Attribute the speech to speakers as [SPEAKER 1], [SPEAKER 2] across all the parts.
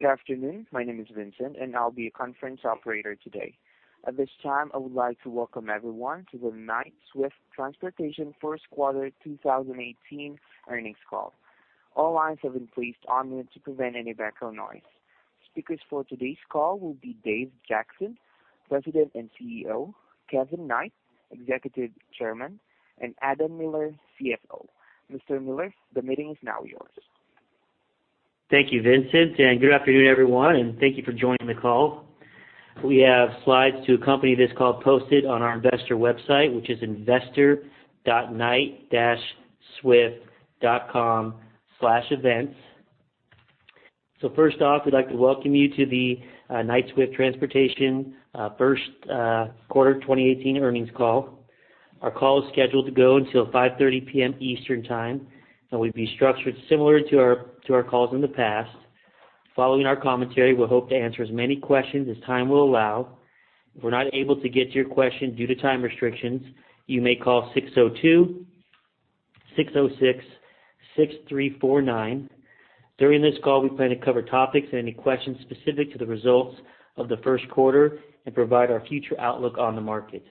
[SPEAKER 1] Good afternoon. My name is Vincent, and I'll be your conference operator today. At this time, I would like to welcome everyone to the Knight-Swift Transportation First Quarter 2018 Earnings Call. All lines have been placed on mute to prevent any background noise. Speakers for today's call will be Dave Jackson, President and CEO, Kevin Knight, Executive Chairman, and Adam Miller, CFO. Mr. Miller, the meeting is now yours.
[SPEAKER 2] Thank you, Vincent, and good afternoon, everyone, and thank you for joining the call. We have slides to accompany this call posted on our investor website, which is investor.knight-swift.com/events. So first off, we'd like to welcome you to the Knight-Swift Transportation First Quarter 2018 Earnings Call. Our call is scheduled to go until 5:30 P.M. Eastern Time, and we'd be structured similar to our calls in the past. Following our commentary, we'll hope to answer as many questions as time will allow. If we're not able to get to your question due to time restrictions, you may call 602-606-6349. During this call, we plan to cover topics and any questions specific to the results of the first quarter and provide our future outlook on the market.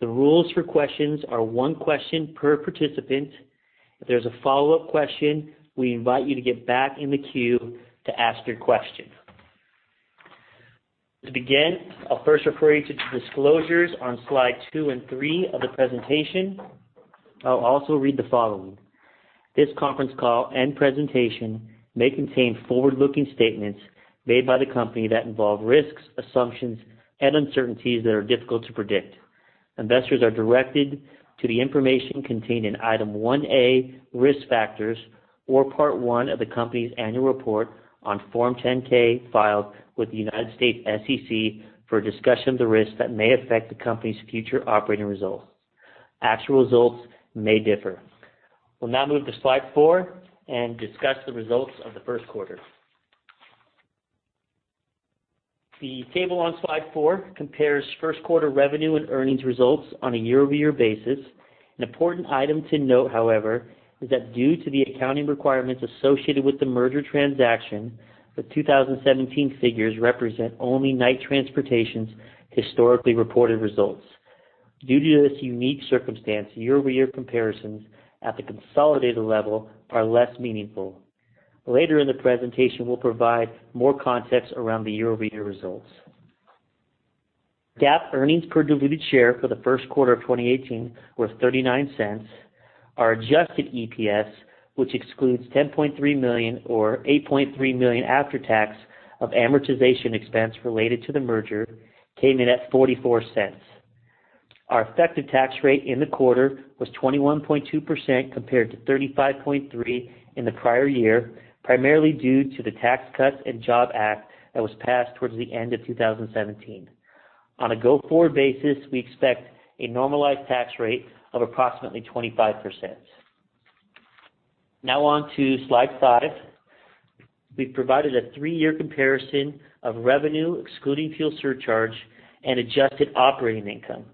[SPEAKER 2] The rules for questions are one question per participant. If there's a follow-up question, we invite you to get back in the queue to ask your question. To begin, I'll first refer you to the disclosures on slide two and three of the presentation. I'll also read the following. This conference call and presentation may contain forward-looking statements made by the company that involve risks, assumptions, and uncertainties that are difficult to predict. Investors are directed to the information contained in Item 1A, Risk Factors, or Part One of the company's Annual Report on Form 10-K, filed with the United States SEC for a discussion of the risks that may affect the company's future operating results. Actual results may differ. We'll now move to slide four and discuss the results of the first quarter. The table on slide four compares first quarter revenue and earnings results on a year-over-year basis. An important item to note, however, is that due to the accounting requirements associated with the merger transaction, the 2017 figures represent only Knight Transportation's historically reported results. Due to this unique circumstance, year-over-year comparisons at the consolidated level are less meaningful. Later in the presentation, we'll provide more context around the year-over-year results. GAAP earnings per diluted share for the first quarter of 2018 were $0.39. Our adjusted EPS, which excludes $10.3 million, or $8.3 million after tax, of amortization expense related to the merger, came in at $0.44. Our effective tax rate in the quarter was 21.2%, compared to 35.3% in the prior year, primarily due to the Tax Cuts and Jobs Act that was passed towards the end of 2017. On a go-forward basis, we expect a normalized tax rate of approximately 25%. Now on to slide five. We've provided a three-year comparison of revenue, excluding fuel surcharge and adjusted operating income.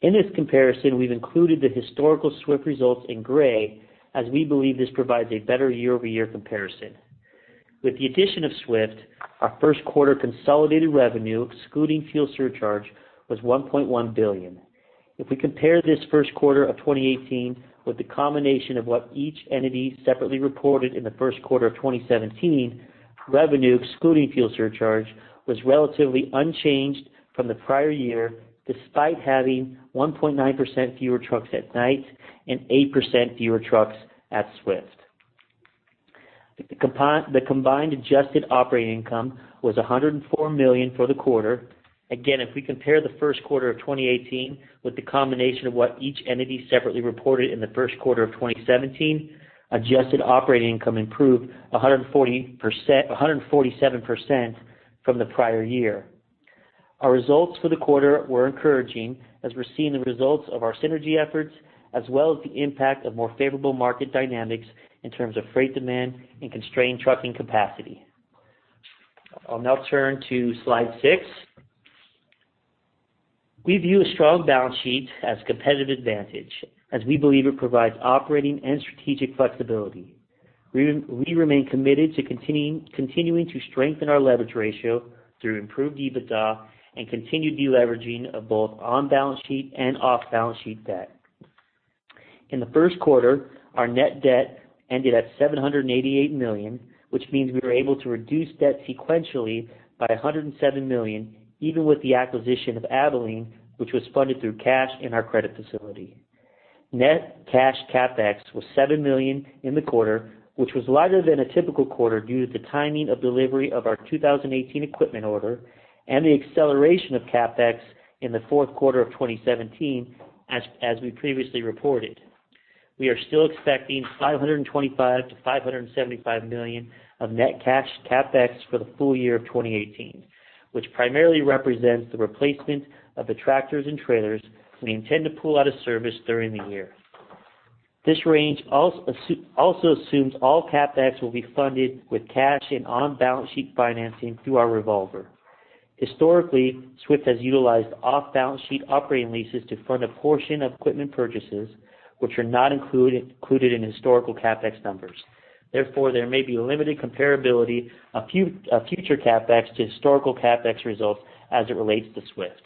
[SPEAKER 2] In this comparison, we've included the historical Swift results in gray, as we believe this provides a better year-over-year comparison. With the addition of Swift, our first quarter consolidated revenue, excluding fuel surcharge, was $1.1 billion. If we compare this first quarter of 2018 with the combination of what each entity separately reported in the first quarter of 2017, revenue, excluding fuel surcharge, was relatively unchanged from the prior year, despite having 1.9% fewer trucks at Knight and 8% fewer trucks at Swift. The combined adjusted operating income was $104 million for the quarter. Again, if we compare the first quarter of 2018 with the combination of what each entity separately reported in the first quarter of 2017, adjusted operating income improved 147% from the prior year. Our results for the quarter were encouraging, as we're seeing the results of our synergy efforts, as well as the impact of more favorable market dynamics in terms of freight demand and constrained trucking capacity. I'll now turn to slide six. We view a strong balance sheet as competitive advantage, as we believe it provides operating and strategic flexibility. We remain committed to continuing to strengthen our leverage ratio through improved EBITDA and continued deleveraging of both on-balance sheet and off-balance sheet debt. In the first quarter, our net debt ended at $788 million, which means we were able to reduce debt sequentially by $107 million, even with the acquisition of Abilene, which was funded through cash in our credit facility. Net cash CAPEX was $7 million in the quarter, which was lighter than a typical quarter due to the timing of delivery of our 2018 equipment order and the acceleration of CAPEX in the fourth quarter of 2017, as we previously reported. We are still expecting $525 million-$575 million of net cash CAPEX for the full year of 2018, which primarily represents the replacement of the tractors and trailers we intend to pull out of service during the year. This range also assumes all CAPEX will be funded with cash and on-balance sheet financing through our revolver. Historically, Swift has utilized off-balance sheet operating leases to fund a portion of equipment purchases, which are not included in historical CAPEX numbers. Therefore, there may be limited comparability of future CAPEX to historical CAPEX results as it relates to Swift.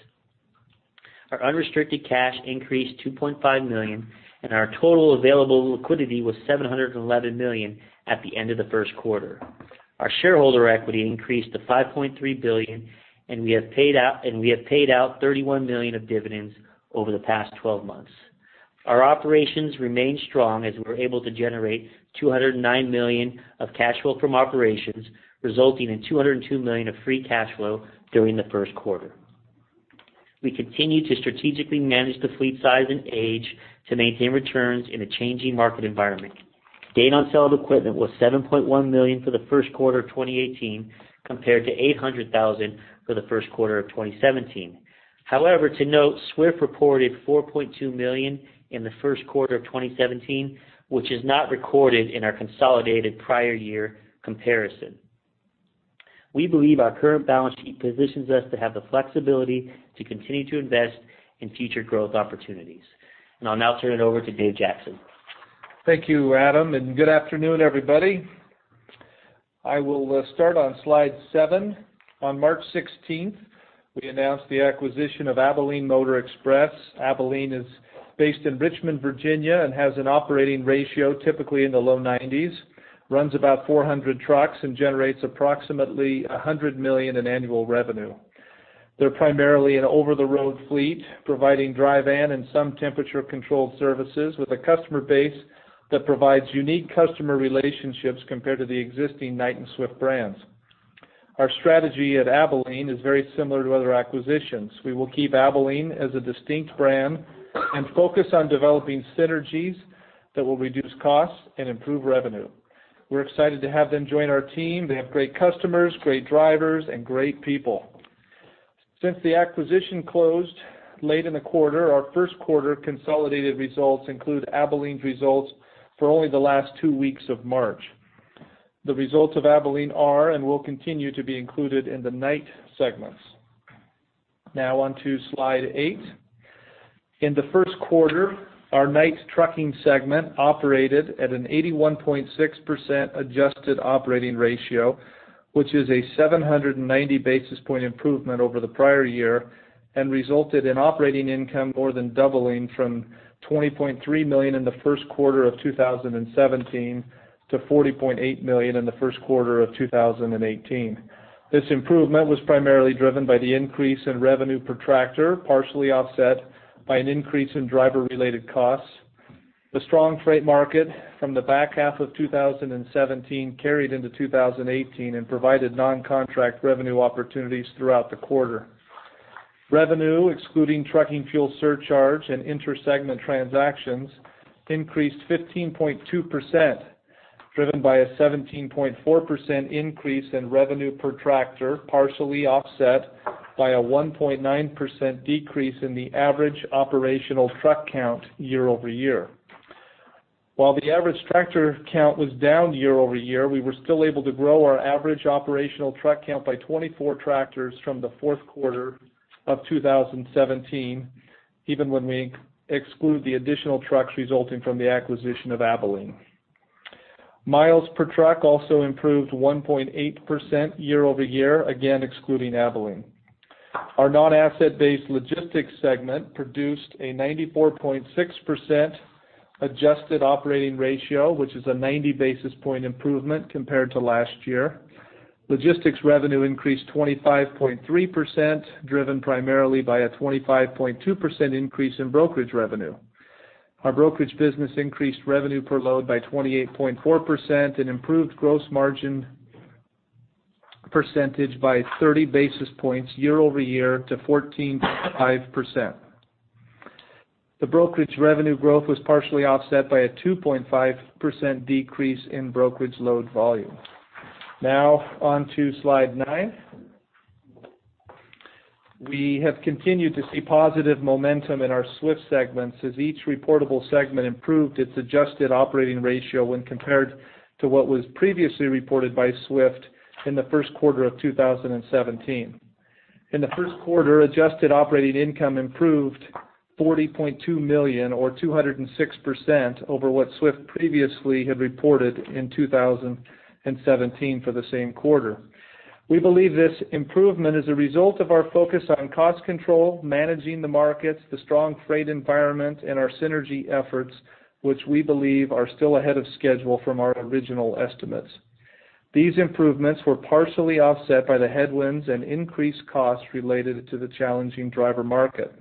[SPEAKER 2] Our unrestricted cash increased $2.5 million, and our total available liquidity was $711 million at the end of the first quarter. Our shareholder equity increased to $5.3 billion, and we have paid out $31 million of dividends over the past 12 months. Our operations remained strong as we were able to generate $209 million of cash flow from operations, resulting in $202 million of free cash flow during the first quarter. We continue to strategically manage the fleet size and age to maintain returns in a changing market environment. Gain on sale of equipment was $7.1 million for the first quarter of 2018, compared to $800,000 for the first quarter of 2017. However, to note, Swift reported $4.2 million in the first quarter of 2017, which is not recorded in our consolidated prior year comparison. We believe our current balance sheet positions us to have the flexibility to continue to invest in future growth opportunities. I'll now turn it over to Dave Jackson.
[SPEAKER 3] Thank you, Adam, and good afternoon, everybody. I will start on slide seven. On March 16, we announced the acquisition of Abilene Motor Express. Abilene is based in Richmond, Virginia, and has an operating ratio, typically in the low 90s, runs about 400 trucks, and generates approximately $100 million in annual revenue. They're primarily an over-the-road fleet, providing dry van and some temperature-controlled services with a customer base that provides unique customer relationships compared to the existing Knight and Swift brands. Our strategy at Abilene is very similar to other acquisitions. We will keep Abilene as a distinct brand and focus on developing synergies that will reduce costs and improve revenue. We're excited to have them join our team. They have great customers, great drivers, and great people. Since the acquisition closed late in the quarter, our first quarter consolidated results include Abilene's results for only the last two weeks of March. The results of Abilene are and will continue to be included in the Knight segments. Now on to slide eight. In the first quarter, our Knight Trucking segment operated at an 81.6% adjusted operating ratio, which is a 790 basis point improvement over the prior year, and resulted in operating income more than doubling from $20.3 million in the first quarter of 2017 to $40.8 million in the first quarter of 2018. This improvement was primarily driven by the increase in revenue per tractor, partially offset by an increase in driver-related costs. The strong freight market from the back half of 2017 carried into 2018 and provided non-contract revenue opportunities throughout the quarter. Revenue, excluding trucking fuel surcharge and inter-segment transactions, increased 15.2%, driven by a 17.4% increase in revenue per tractor, partially offset by a 1.9% decrease in the average operational truck count year-over-year. While the average tractor count was down year-over-year, we were still able to grow our average operational truck count by 24 tractors from the fourth quarter of 2017, even when we exclude the additional trucks resulting from the acquisition of Abilene. Miles per truck also improved 1.8% year-over-year, again, excluding Abilene. Our non-asset-based Logistics segment produced a 94.6% adjusted operating ratio, which is a 90 basis point improvement compared to last year. Logistics revenue increased 25.3%, driven primarily by a 25.2% increase in brokerage revenue. Our brokerage business increased revenue per load by 28.4% and improved gross margin percentage by 30 basis points year-over-year to 14.5%. The brokerage revenue growth was partially offset by a 2.5% decrease in brokerage load volume. Now on to slide nine. We have continued to see positive momentum in our Swift segments as each reportable segment improved its adjusted operating ratio when compared to what was previously reported by Swift in the first quarter of 2017. In the first quarter, adjusted operating income improved $40.2 million, or 206%, over what Swift previously had reported in 2017 for the same quarter. We believe this improvement is a result of our focus on cost control, managing the markets, the strong freight environment, and our synergy efforts, which we believe are still ahead of schedule from our original estimates. These improvements were partially offset by the headwinds and increased costs related to the challenging driver market.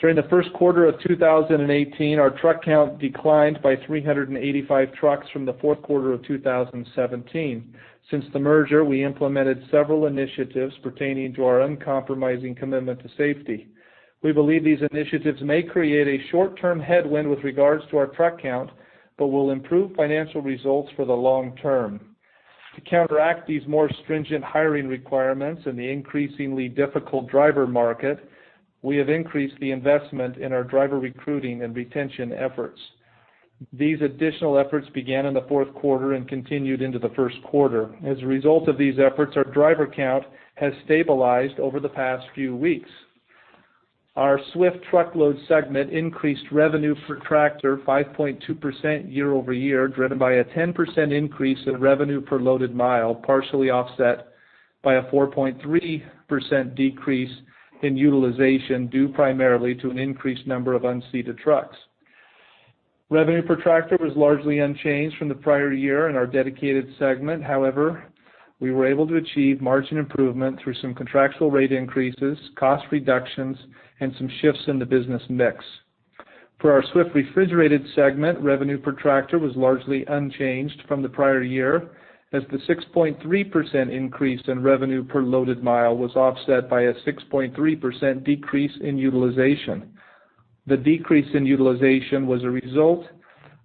[SPEAKER 3] During the first quarter of 2018, our truck count declined by 385 trucks from the fourth quarter of 2017. Since the merger, we implemented several initiatives pertaining to our uncompromising commitment to safety. We believe these initiatives may create a short-term headwind with regards to our truck count, but will improve financial results for the long term. To counteract these more stringent hiring requirements in the increasingly difficult driver market, we have increased the investment in our driver recruiting and retention efforts. These additional efforts began in the fourth quarter and continued into the first quarter. As a result of these efforts, our driver count has stabilized over the past few weeks. Our Swift Truckload segment increased revenue per tractor 5.2% year-over-year, driven by a 10% increase in revenue per loaded mile, partially offset by a 4.3% decrease in utilization, due primarily to an increased number of unseated trucks. Revenue per tractor was largely unchanged from the prior year in our Dedicated segment. However, we were able to achieve margin improvement through some contractual rate increases, cost reductions, and some shifts in the business mix. For our Swift Refrigerated segment, revenue per tractor was largely unchanged from the prior year, as the 6.3% increase in revenue per loaded mile was offset by a 6.3% decrease in utilization. The decrease in utilization was a result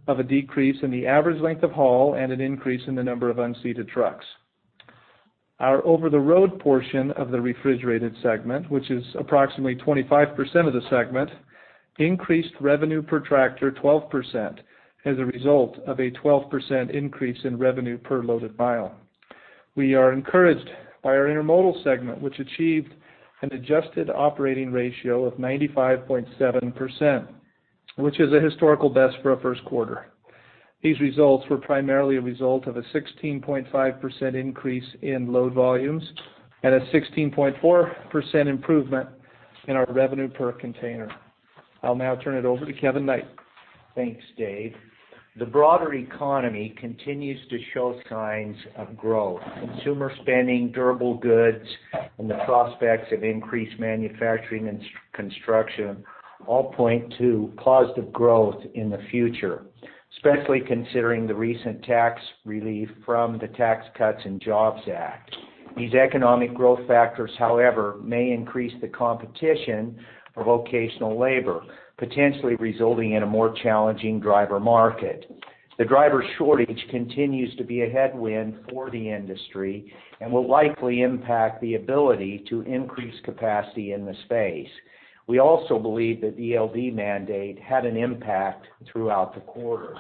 [SPEAKER 3] of a decrease in the average length of haul and an increase in the number of unseated trucks. Our over-the-road portion of the Refrigerated segment, which is approximately 25% of the segment, increased revenue per tractor 12% as a result of a 12% increase in revenue per loaded mile. We are encouraged by our Intermodal segment, which achieved an adjusted operating ratio of 95.7%, which is a historical best for a first quarter. These results were primarily a result of a 16.5% increase in load volumes and a 16.4% improvement in our revenue per container. I'll now turn it over to Kevin Knight.
[SPEAKER 4] Thanks, Dave. The broader economy continues to show signs of growth. Consumer spending, durable goods, and the prospects of increased manufacturing and construction all point to positive growth in the future, especially considering the recent tax relief from the Tax Cuts and Jobs Act. These economic growth factors, however, may increase the competition for vocational labor, potentially resulting in a more challenging driver market. The driver shortage continues to be a headwind for the industry and will likely impact the ability to increase capacity in the space. We also believe the ELD mandate had an impact throughout the quarter.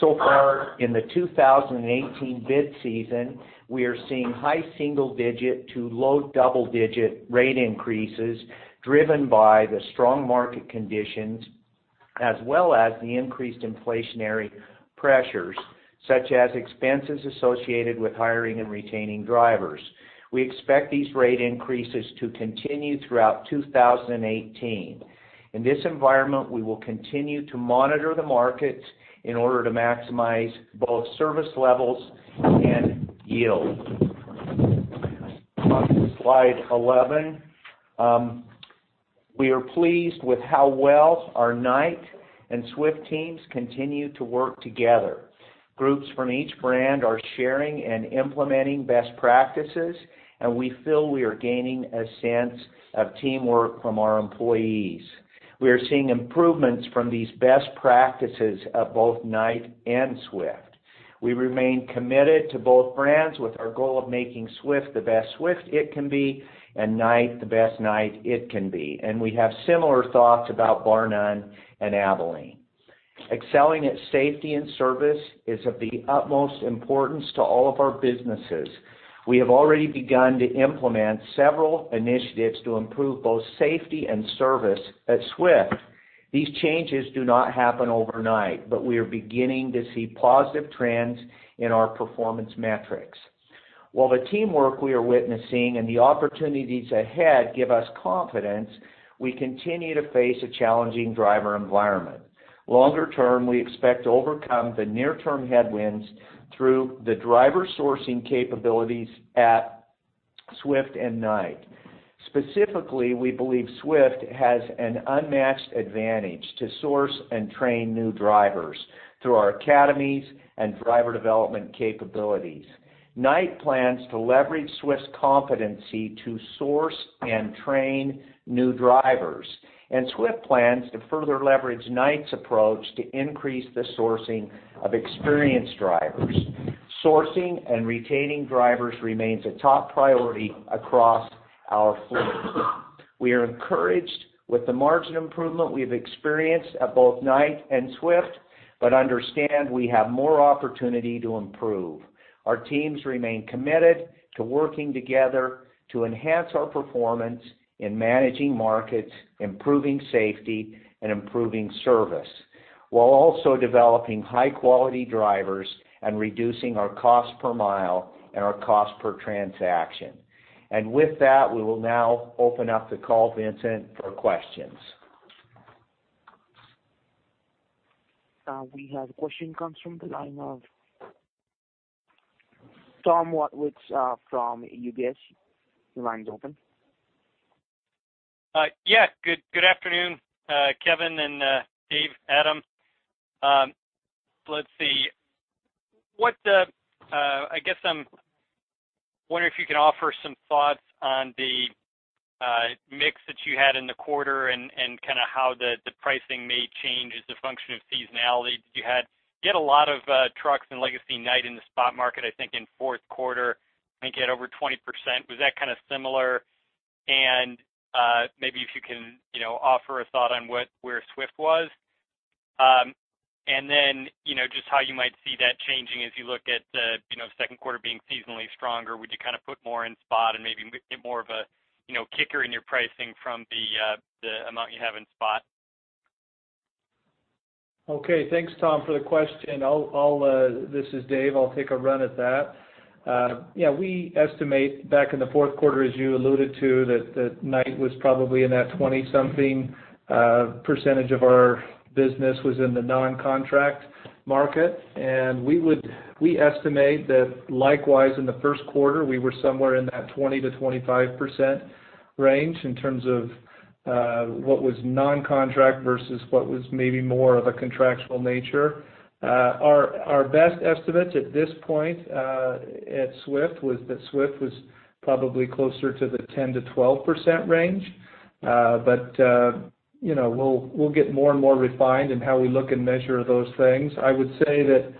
[SPEAKER 4] So far, in the 2018 bid season, we are seeing high single digit to low double-digit rate increases, driven by the strong market conditions, as well as the increased inflationary pressures, such as expenses associated with hiring and retaining drivers. We expect these rate increases to continue throughout 2018. In this environment, we will continue to monitor the markets in order to maximize both service levels and yield. On to Slide 11. We are pleased with how well our Knight and Swift teams continue to work together. Groups from each brand are sharing and implementing best practices, and we feel we are gaining a sense of teamwork from our employees. We are seeing improvements from these best practices at both Knight and Swift. We remain committed to both brands with our goal of making Swift the best Swift it can be and Knight the best Knight it can be, and we have similar thoughts about Barr-Nunn and Abilene. Excelling at safety and service is of the utmost importance to all of our businesses. We have already begun to implement several initiatives to improve both safety and service at Swift. These changes do not happen overnight, but we are beginning to see positive trends in our performance metrics. While the teamwork we are witnessing and the opportunities ahead give us confidence, we continue to face a challenging driver environment. Longer term, we expect to overcome the near-term headwinds through the driver sourcing capabilities at Swift and Knight. Specifically, we believe Swift has an unmatched advantage to source and train new drivers through our academies and driver development capabilities. Knight plans to leverage Swift's competency to source and train new drivers, and Swift plans to further leverage Knight's approach to increase the sourcing of experienced drivers. Sourcing and retaining drivers remains a top priority across our fleet. We are encouraged with the margin improvement we've experienced at both Knight and Swift, but understand we have more opportunity to improve. Our teams remain committed to working together to enhance our performance in managing markets, improving safety, and improving service, while also developing high-quality drivers and reducing our cost per mile and our cost per transaction. With that, we will now open up the call, Vincent, for questions.
[SPEAKER 1] We have a question comes from the line of Thomas Wadewitz from UBS. Your line's open.
[SPEAKER 5] Yeah, good afternoon, Kevin, Dave, and Adam. I guess I'm wondering if you can offer some thoughts on the mix that you had in the quarter and kind of how the pricing may change as a function of seasonality that you had. You had a lot of trucks in Legacy Knight in the spot market, I think, in fourth quarter, I think you had over 20%. Was that kind of similar? And maybe if you can, you know, offer a thought on where Swift was. And then, you know, just how you might see that changing as you look at the second quarter being seasonally stronger. Would you kind of put more in spot and maybe get more of a, you know, kicker in your pricing from the, the amount you have in spot?
[SPEAKER 3] Okay. Thanks, Tom, for the question. I'll, this is Dave, I'll take a run at that. Yeah, we estimate back in the fourth quarter, as you alluded to, that Knight was probably in that 20-something% of our business was in the non-contract market. We estimate that likewise, in the first quarter, we were somewhere in that 20%-25% range in terms of what was non-contract versus what was maybe more of a contractual nature. Our best estimates at this point, at Swift, was that Swift was probably closer to the 10%-12% range. But you know, we'll get more and more refined in how we look and measure those things. I would say that,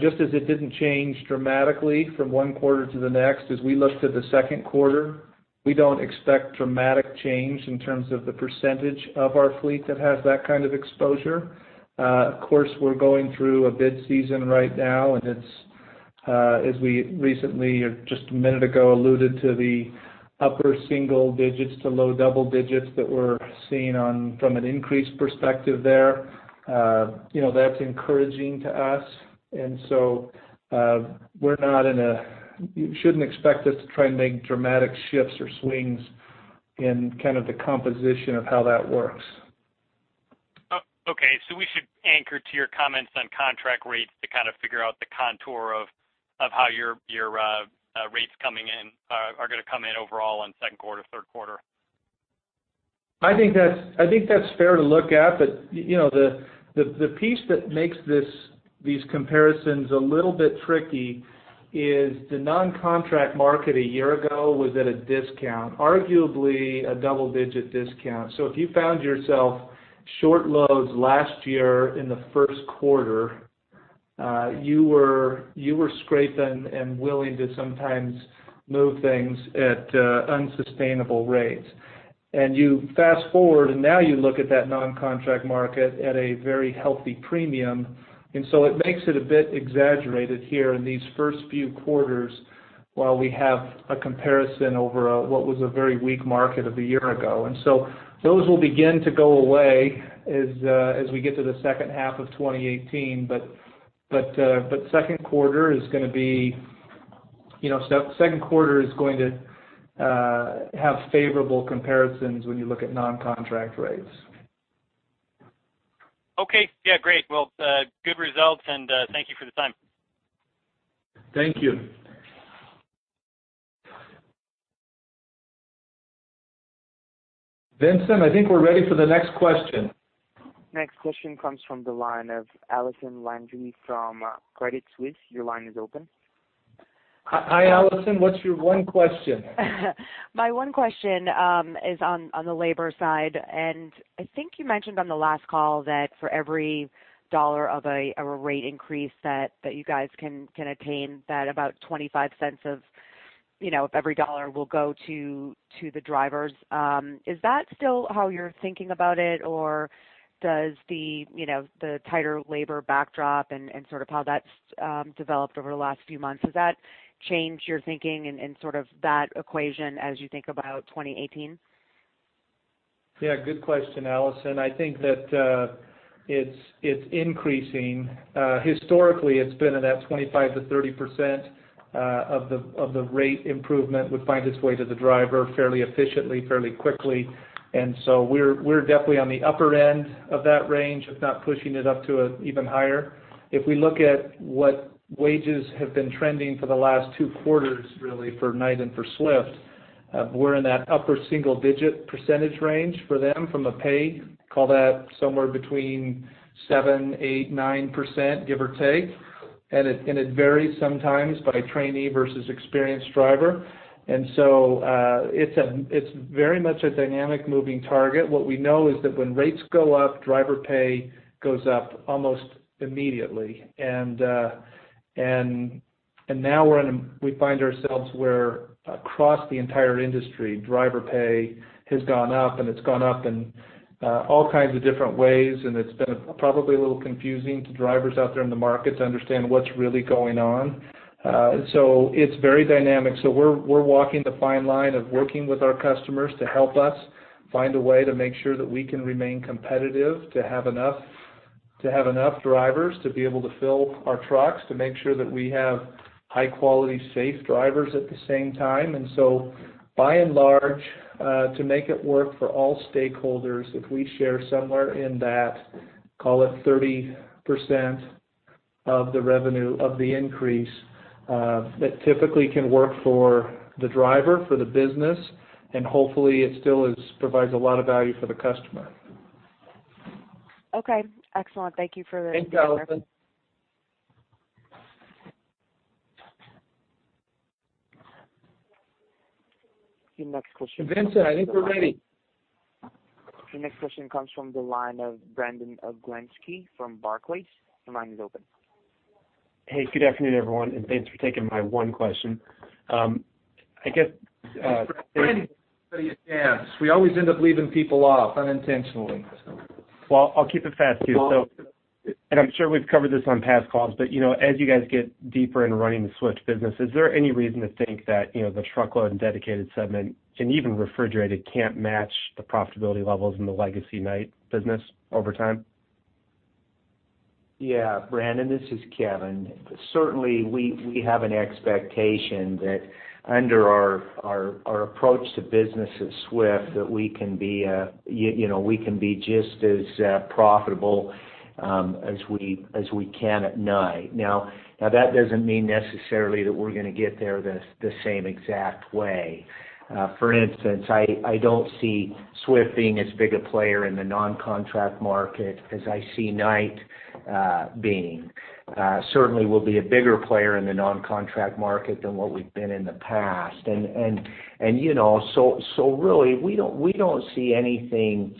[SPEAKER 3] just as it didn't change dramatically from one quarter to the next, as we look to the second quarter, we don't expect dramatic change in terms of the percentage of our fleet that has that kind of exposure. Of course, we're going through a bid season right now, and it's, as we recently, or just a minute ago, alluded to the upper single digits to low double digits that we're seeing on from an increase perspective there. You know, that's encouraging to us. And so, we're not, you shouldn't expect us to try and make dramatic shifts or swings in kind of the composition of how that works.
[SPEAKER 5] Oh, okay. So we should anchor to your comments on contract rates to kind of figure out the contour of how your rates coming in are going to come in overall in second quarter, third quarter?
[SPEAKER 3] I think that's fair to look at, but, you know, the piece that makes these comparisons a little bit tricky is the non-contract market a year ago was at a discount, arguably a double-digit discount. So if you found yourself short loads last year in the first quarter, you were scraping and willing to sometimes move things at unsustainable rates. And you fast forward, and now you look at that non-contract market at a very healthy premium, and so it makes it a bit exaggerated here in these first few quarters, while we have a comparison over what was a very weak market of a year ago. And so those will begin to go away as we get to the second half of 2018. But second quarter is going to be, you know, second quarter is going to have favorable comparisons when you look at non-contract rates.
[SPEAKER 5] Okay. Yeah, great. Well, good results, and thank you for the time.
[SPEAKER 3] Thank you. Vincent, I think we're ready for the next question.
[SPEAKER 1] Next question comes from the line of Allison Landry from Credit Suisse. Your line is open.
[SPEAKER 3] Hi, Allison, what's your one question?
[SPEAKER 6] My one question is on the labor side, and I think you mentioned on the last call that for every $1 of a rate increase that you guys can attain, about $0.25 of every $1 will go to the drivers. Is that still how you're thinking about it, or does the tighter labor backdrop and sort of how that's developed over the last few months change your thinking in sort of that equation as you think about 2018?
[SPEAKER 3] Yeah, good question, Allison. I think that it's increasing. Historically, it's been in that 25%-30% of the rate improvement would find its way to the driver fairly efficiently, fairly quickly. And so we're definitely on the upper end of that range, if not pushing it up to an even higher. If we look at what wages have been trending for the last two quarters, really, for Knight and for Swift, we're in that upper single-digit percentage range for them from a pay. Call that somewhere between 7%, 8%, 9%, give or take, and it varies sometimes by trainee versus experienced driver. And so it's very much a dynamic moving target. What we know is that when rates go up, driver pay goes up almost immediately. And now we're in a... We find ourselves where across the entire industry, driver pay has gone up, and it's gone up in all kinds of different ways, and it's been probably a little confusing to drivers out there in the market to understand what's really going on. So it's very dynamic. So we're walking the fine line of working with our customers to help us find a way to make sure that we can remain competitive, to have enough drivers to be able to fill our trucks, to make sure that we have high-quality, safe drivers at the same time. By and large, to make it work for all stakeholders, if we share somewhere in that, call it 30% of the revenue of the increase, that typically can work for the driver, for the business, and hopefully, it still provides a lot of value for the customer.
[SPEAKER 6] Okay, excellent. Thank you for the-
[SPEAKER 3] Thanks, Allison.
[SPEAKER 1] Your next question-
[SPEAKER 3] Vincent, I think we're ready....
[SPEAKER 1] Your next question comes from the line of Brandon Oglenski from Barclays. Your line is open.
[SPEAKER 7] Hey, good afternoon, everyone, and thanks for taking my one question. I guess,
[SPEAKER 3] Brandon, give everybody a chance. We always end up leaving people off unintentionally.
[SPEAKER 7] Well, I'll keep it fast too. I'm sure we've covered this on past calls, but, you know, as you guys get deeper in running the Swift business, is there any reason to think that, you know, the truckload and Dedicated segment, and even refrigerated, can't match the profitability levels in the legacy Knight business over time?
[SPEAKER 4] Yeah, Brandon, this is Kevin. Certainly, we have an expectation that under our approach to business at Swift, that we can be, you know, just as profitable as we can at Knight. Now, that doesn't mean necessarily that we're going to get there the same exact way. For instance, I don't see Swift being as big a player in the non-contract market as I see Knight being. Certainly, we'll be a bigger player in the non-contract market than what we've been in the past. And, you know, so really, we don't see anything,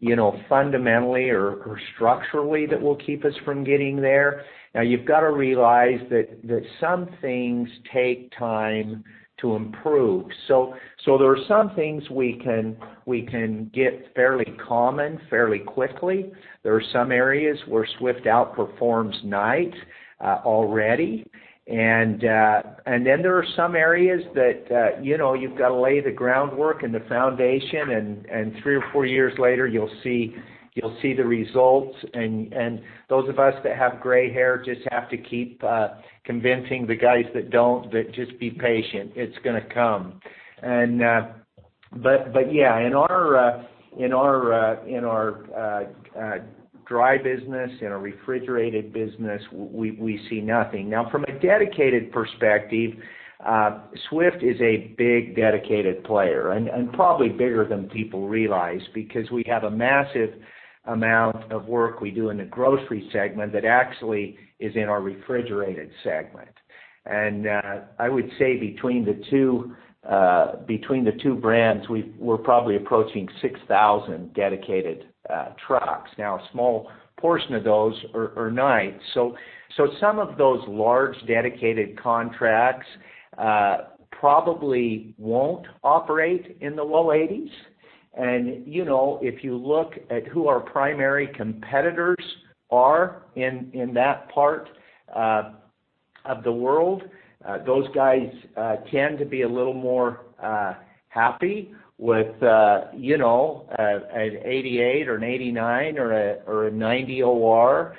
[SPEAKER 4] you know, fundamentally or structurally that will keep us from getting there. Now, you've got to realize that some things take time to improve. So there are some things we can get fairly common, fairly quickly. There are some areas where Swift outperforms Knight already. And then there are some areas that you know, you've got to lay the groundwork and the foundation, and three or four years later, you'll see the results. And those of us that have gray hair just have to keep convincing the guys that don't, that just be patient, it's going to come. But yeah, in our dry business, in our refrigerated business, we see nothing. Now, from a dedicated perspective, Swift is a big dedicated player, and probably bigger than people realize because we have a massive amount of work we do in the grocery segment that actually is in our refrigerated segment. And, I would say between the two brands, we're probably approaching 6,000 dedicated trucks. Now, a small portion of those are Knight. So some of those large dedicated contracts probably won't operate in the low 80s. And, you know, if you look at who our primary competitors are in that part of the world, those guys tend to be a little more happy with, you know, an 88 or an 89 or a 90 OR.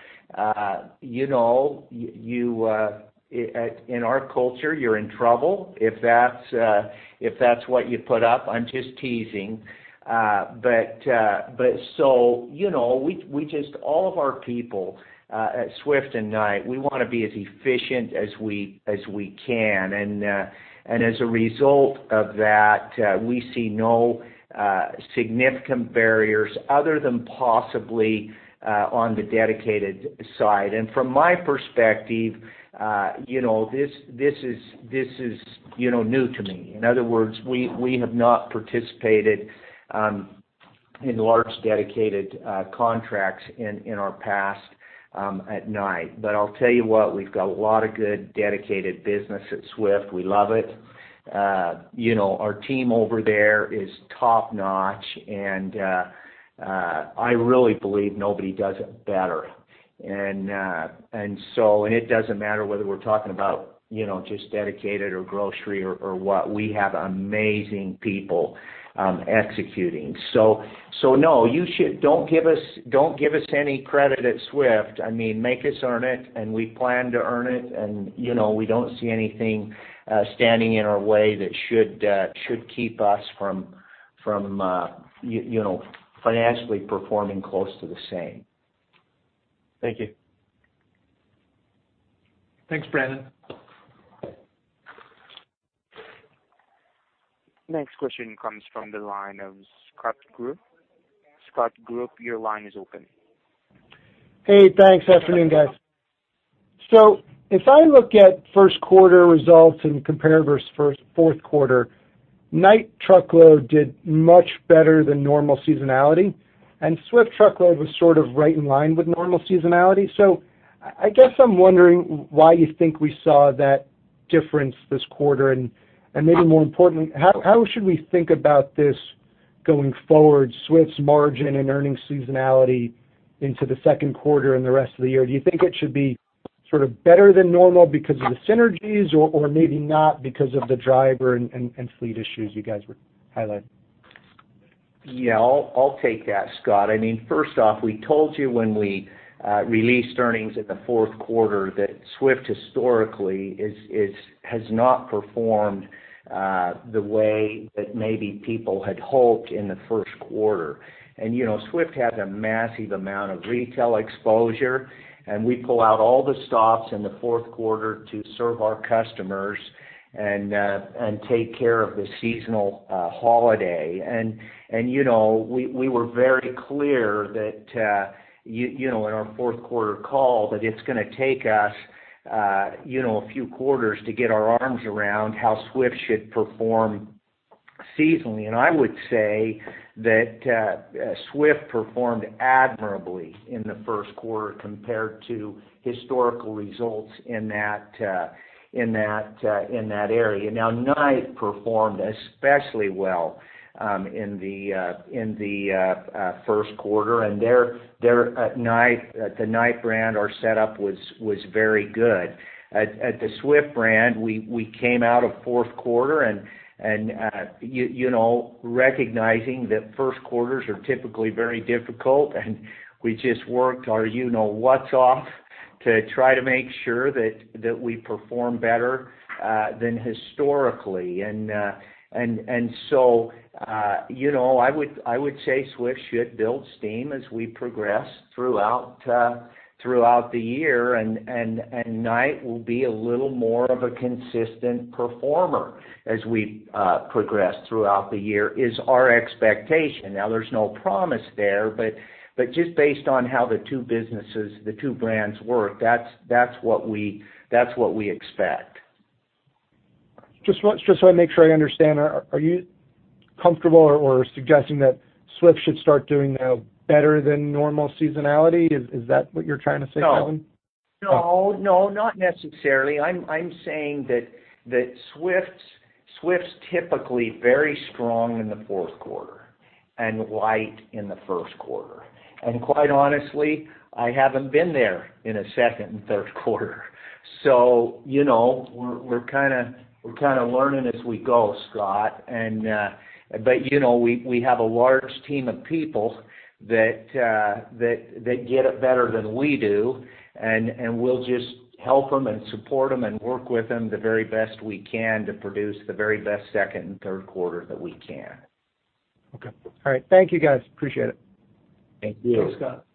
[SPEAKER 4] You know, in our culture, you're in trouble if that's what you put up. I'm just teasing. But so, you know, we just all of our people at Swift and Knight want to be as efficient as we can. And as a result of that, we see no significant barriers other than possibly on the dedicated side. And from my perspective, you know, this is new to me. In other words, we have not participated in large dedicated contracts in our past at Knight. But I'll tell you what, we've got a lot of good dedicated business at Swift. We love it. You know, our team over there is top-notch, and I really believe nobody does it better. And so, it doesn't matter whether we're talking about, you know, just dedicated or grocery or what, we have amazing people executing. So no, you should, don't give us, don't give us any credit at Swift. I mean, make us earn it, and we plan to earn it. And, you know, we don't see anything standing in our way that should keep us from, you know, financially performing close to the same.
[SPEAKER 7] Thank you.
[SPEAKER 3] Thanks, Brandon.
[SPEAKER 1] Next question comes from the line of Scott Group. Scott Group, your line is open.
[SPEAKER 8] Hey, thanks. Afternoon, guys. So if I look at first quarter results and compare versus first-fourth quarter, Knight truckload did much better than normal seasonality, and Swift truckload was sort of right in line with normal seasonality. So I guess I'm wondering why you think we saw that difference this quarter? And maybe more importantly, how should we think about this going forward, Swift's margin and earnings seasonality into the second quarter and the rest of the year? Do you think it should be sort of better than normal because of the synergies, or maybe not because of the driver and fleet issues you guys were highlighting?
[SPEAKER 4] Yeah, I'll take that, Scott. I mean, first off, we told you when we released earnings in the fourth quarter that Swift historically has not performed the way that maybe people had hoped in the first quarter. And, you know, Swift has a massive amount of retail exposure, and we pull out all the stops in the fourth quarter to serve our customers and take care of the seasonal holiday. And, you know, we were very clear that, you know, in our fourth quarter call, that it's going to take us, you know, a few quarters to get our arms around how Swift should perform seasonally, and I would say that Swift performed admirably in the first quarter compared to historical results in that area. Now, Knight performed especially well in the first quarter, and their Knight brand, our setup was very good. At the Swift brand, we came out of fourth quarter and you know, recognizing that first quarters are typically very difficult, and we just worked our ass off to try to make sure that we perform better than historically. And so you know, I would say Swift should build steam as we progress throughout the year, and Knight will be a little more of a consistent performer as we progress throughout the year, is our expectation. Now, there's no promise there, but just based on how the two businesses, the two brands work, that's what we expect.
[SPEAKER 8] Just so I make sure I understand, are you comfortable or suggesting that Swift should start doing better than normal seasonality? Is that what you're trying to say, Kevin?
[SPEAKER 4] No. No, no, not necessarily. I'm saying that Swift's typically very strong in the fourth quarter and light in the first quarter. And quite honestly, I haven't been there in a second and third quarter. So, you know, we're kinda learning as we go, Scott. And, but, you know, we have a large team of people that get it better than we do, and we'll just help them and support them and work with them the very best we can to produce the very best second and third quarter that we can.
[SPEAKER 8] Okay. All right. Thank you, guys. Appreciate it.
[SPEAKER 4] Thank you.
[SPEAKER 3] Thanks, Scott.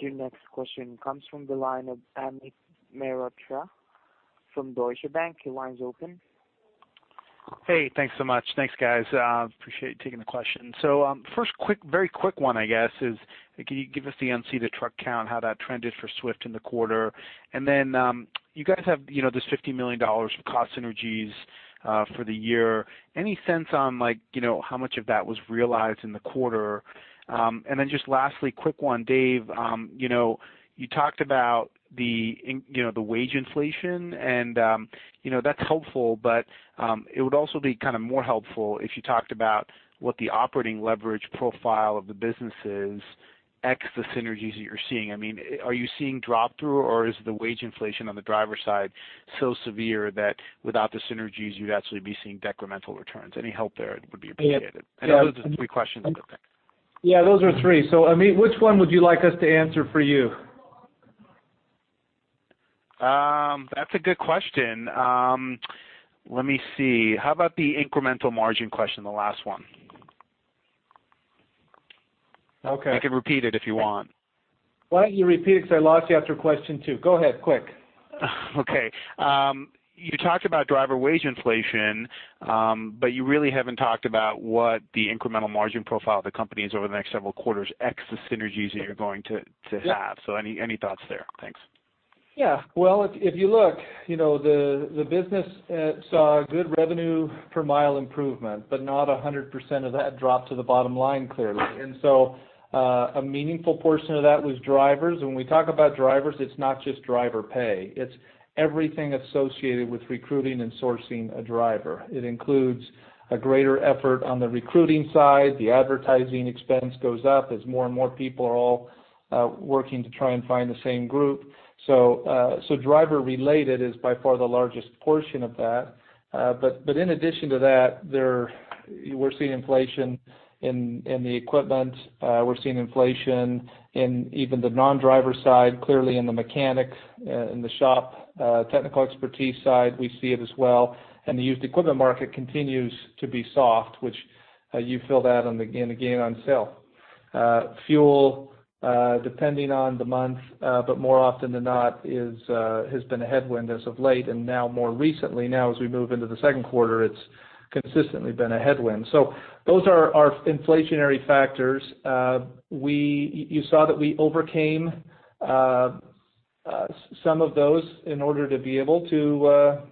[SPEAKER 1] Your next question comes from the line of Amit Mehrotra from Deutsche Bank. Your line's open.
[SPEAKER 9] Hey, thanks so much. Thanks, guys. Appreciate you taking the question. So, first quick, very quick one, I guess, is, can you give us the unseated truck count, how that trended for Swift in the quarter? And then, you guys have, you know, this $50 million of cost synergies for the year. Any sense on, like, you know, how much of that was realized in the quarter? And then just lastly, quick one, Dave, you know, you talked about the in- you know, the wage inflation and, you know, that's helpful, but, it would also be kind of more helpful if you talked about what the operating leverage profile of the businesses, X, the synergies that you're seeing. I mean, are you seeing drop through, or is the wage inflation on the driver side so severe that without the synergies, you'd actually be seeing decremental returns? Any help there would be appreciated.
[SPEAKER 3] Yeah-
[SPEAKER 9] Those are the three questions.
[SPEAKER 3] Yeah, those are three. So, Amit, which one would you like us to answer for you?
[SPEAKER 9] That's a good question. Let me see. How about the incremental margin question, the last one?
[SPEAKER 3] Okay.
[SPEAKER 9] I can repeat it if you want.
[SPEAKER 3] Why don't you repeat it? Because I lost you after question two. Go ahead, quick.
[SPEAKER 9] Okay. You talked about driver wage inflation, but you really haven't talked about what the incremental margin profile of the company is over the next several quarters, X, the synergies that you're going to have.
[SPEAKER 3] Yeah.
[SPEAKER 9] So any thoughts there? Thanks.
[SPEAKER 3] Yeah. Well, if you look, you know, the business saw a good revenue per mile improvement, but not 100% of that dropped to the bottom line, clearly. And so, a meaningful portion of that was drivers. When we talk about drivers, it's not just driver pay, it's everything associated with recruiting and sourcing a driver. It includes a greater effort on the recruiting side. The advertising expense goes up as more and more people are all working to try and find the same group. So, so driver-related is by far the largest portion of that. But, but in addition to that, we're seeing inflation in the equipment. We're seeing inflation in even the non-driver side, clearly in the mechanic, in the shop, technical expertise side, we see it as well. The used equipment market continues to be soft, which you feel that on the, in the gain on sale. Fuel, depending on the month, but more often than not, has been a headwind as of late, and now more recently, now as we move into the second quarter, it's consistently been a headwind. So those are our inflationary factors. You saw that we overcame some of those in order to be able to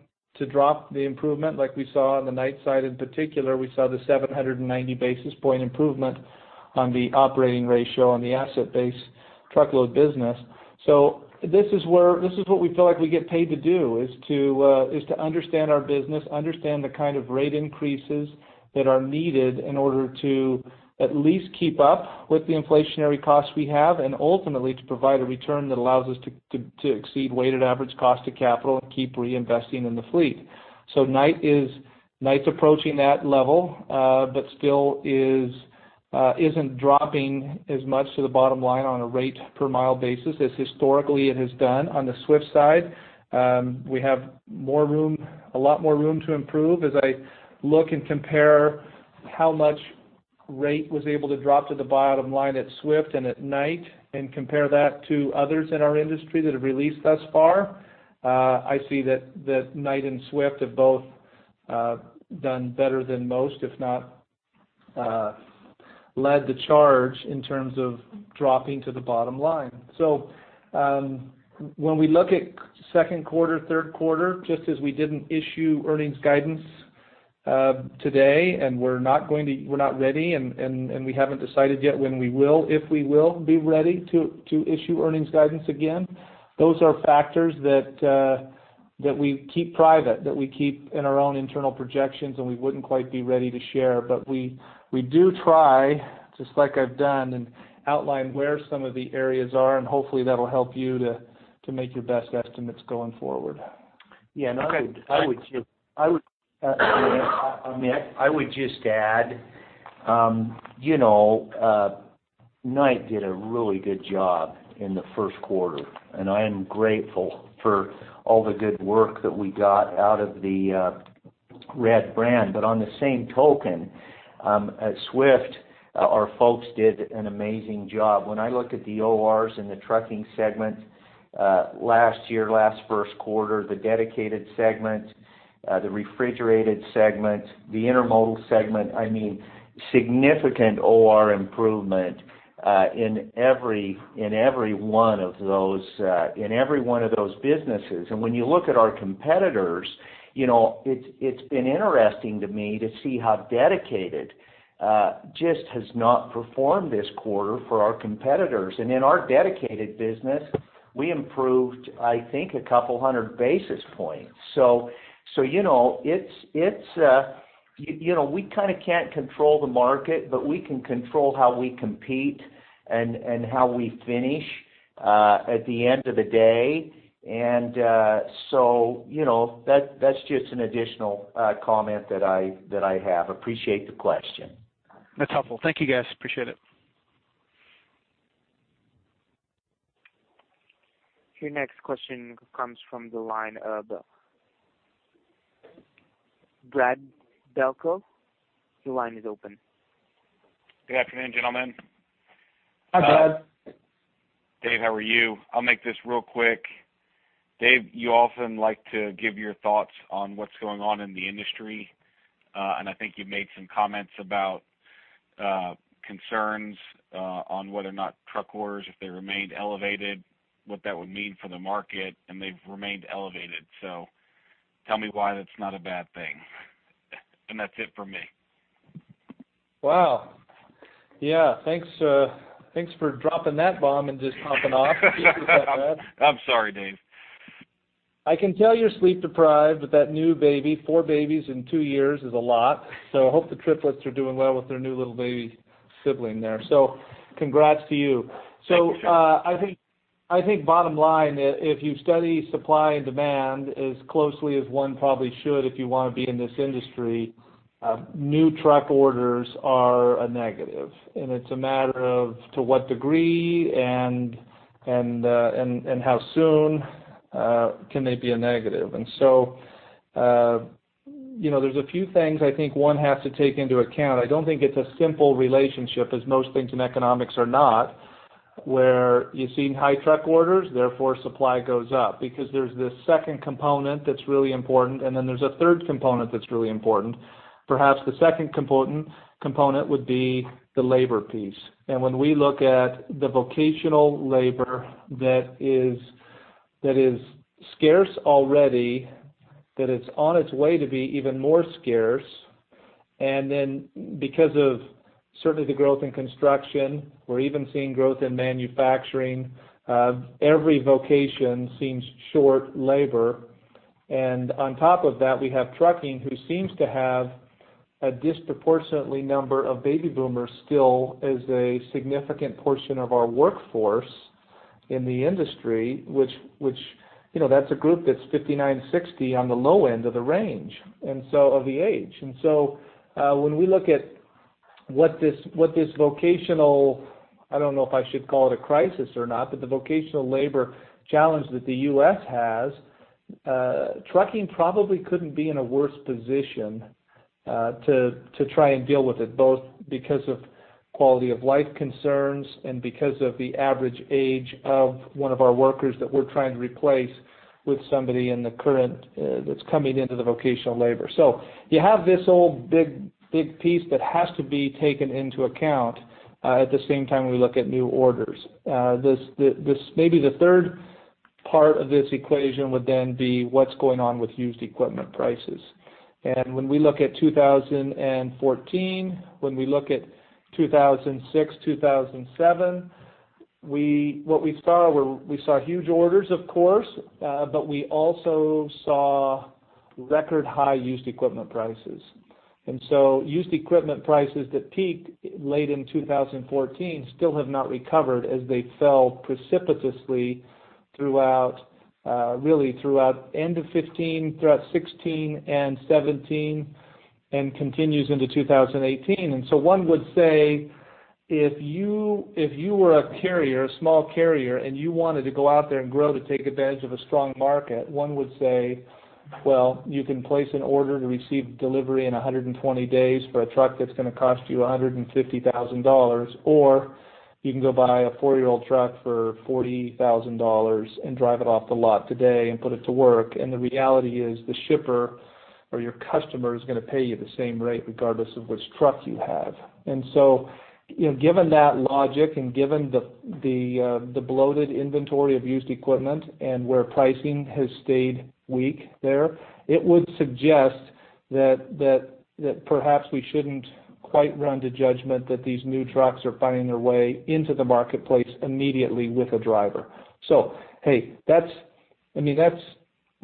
[SPEAKER 3] drop the improvement like we saw on the Knight side. In particular, we saw the 790 basis point improvement on the operating ratio on the asset base truckload business. So this is what we feel like we get paid to do, is to understand our business, understand the kind of rate increases that are needed in order to at least keep up with the inflationary costs we have, and ultimately to provide a return that allows us to exceed weighted average cost of capital and keep reinvesting in the fleet. So Knight's approaching that level, but still isn't dropping as much to the bottom line on a rate per mile basis as historically it has done. On the Swift side, we have more room, a lot more room to improve. As I look and compare how much rate was able to drop to the bottom line at Swift and at Knight, and compare that to others in our industry that have released thus far, I see that Knight and Swift have both done better than most, if not led the charge in terms of dropping to the bottom line. So, when we look at second quarter, third quarter, just as we didn't issue earnings guidance today, and we're not going to. We're not ready, and we haven't decided yet when we will, if we will, be ready to issue earnings guidance again, those are factors that we keep private, that we keep in our own internal projections, and we wouldn't quite be ready to share. But we do try, just like I've done, and outline where some of the areas are, and hopefully, that'll help you to make your best estimates going forward.
[SPEAKER 4] Yeah, and I would just, I mean, I would just add, you know, Knight did a really good job in the first quarter, and I am grateful for all the good work that we got out of the Red brand. But on the same token, at Swift, our folks did an amazing job. When I look at the ORs in the trucking segment, last year, last first quarter, the Dedicated segment, the refrigerated segment, the intermodal segment, I mean, significant OR improvement in every one of those businesses. And when you look at our competitors, you know, it's been interesting to me to see how dedicated just has not performed this quarter for our competitors. And in our dedicated business, we improved, I think, a couple hundred basis points. So, you know, it's, you know, we kind of can't control the market, but we can control how we compete and how we finish at the end of the day. And, so, you know, that's just an additional comment that I have. Appreciate the question.
[SPEAKER 9] That's helpful. Thank you, guys. Appreciate it.
[SPEAKER 1] Your next question comes from the line of Brad Delco. Your line is open.
[SPEAKER 10] Good afternoon, gentlemen.
[SPEAKER 3] Hi, Brad.
[SPEAKER 10] Dave, how are you? I'll make this real quick. Dave, you often like to give your thoughts on what's going on in the industry, and I think you've made some comments about concerns on whether or not truck orders, if they remained elevated, what that would mean for the market, and they've remained elevated. So tell me why that's not a bad thing. That's it for me.
[SPEAKER 3] Wow! Yeah, thanks, thanks for dropping that bomb and just popping off.
[SPEAKER 10] I'm sorry, Dave.
[SPEAKER 3] I can tell you're sleep-deprived with that new baby. Four babies in two years is a lot, so I hope the triplets are doing well with their new little baby sibling there. So congrats to you.
[SPEAKER 10] Thank you.
[SPEAKER 3] So, I think bottom line, if you study supply and demand as closely as one probably should if you want to be in this industry, new truck orders are a negative, and it's a matter of to what degree and how soon can they be a negative? And so, you know, there's a few things I think one has to take into account. I don't think it's a simple relationship, as most things in economics are not, where you're seeing high truck orders, therefore, supply goes up. Because there's this second component that's really important, and then there's a third component that's really important. Perhaps the second component would be the labor piece. And when we look at the vocational labor that is scarce already, that is on its way to be even more scarce, and then because of certainly the growth in construction, we're even seeing growth in manufacturing, every vocation seems short labor. And on top of that, we have trucking, who seems to have a disproportionately number of baby boomers still as a significant portion of our workforce in the industry, which, you know, that's a group that's 59, 60 on the low end of the range, and so of the age. When we look at what this vocational, I don't know if I should call it a crisis or not, but the vocational labor challenge that the U.S. has, trucking probably couldn't be in a worse position to try and deal with it, both because of quality of life concerns and because of the average age of one of our workers that we're trying to replace with somebody in the current that's coming into the vocational labor. So you have this whole big, big piece that has to be taken into account at the same time we look at new orders. Maybe the third part of this equation would then be what's going on with used equipment prices. When we look at 2014, when we look at 2006, 2007, what we saw were, we saw huge orders, of course, but we also saw record high used equipment prices. And so used equipment prices that peaked late in 2014 still have not recovered as they fell precipitously throughout, really throughout end of 2015, throughout 2016 and 2017, and continues into 2018. And so one would say, if you, if you were a carrier, a small carrier, and you wanted to go out there and grow to take advantage of a strong market, one would say, well, you can place an order to receive delivery in 120 days for a truck that's going to cost you $150,000, or you can go buy a four-year-old truck for $40,000 and drive it off the lot today and put it to work. And the reality is, the shipper-... or your customer is going to pay you the same rate regardless of which truck you have. And so, you know, given that logic and given the bloated inventory of used equipment and where pricing has stayed weak there, it would suggest that perhaps we shouldn't quite run to judgment that these new trucks are finding their way into the marketplace immediately with a driver. So, hey, that's. I mean, that's,